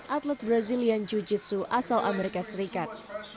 atlet brazilian jiu jitsu asal amerika serikat